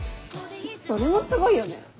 それもすごいよね。